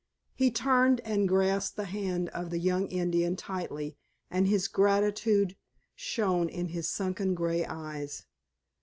He turned and grasped the hand of the young Indian tightly, and his gratitude shone in his sunken grey eyes.